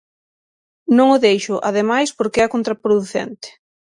Non o deixo, ademais, porque é contraproducente.